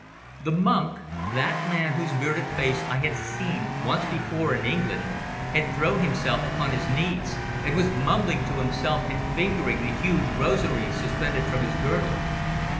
The monk, that man whose bearded face I had seen once before in England, had thrown himself upon his knees, and was mumbling to himself and fingering the huge rosary suspended from his girdle.